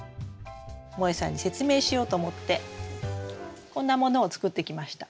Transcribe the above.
もえさんに説明しようと思ってこんなものを作ってきました。